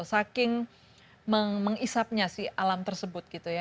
saking menghisapnya si alam tersebut gitu ya